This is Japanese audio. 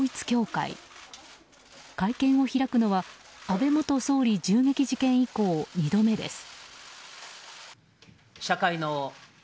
会見を開くのは安倍元総理銃撃事件以降２度目です。